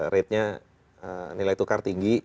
ratenya nilai tukar tinggi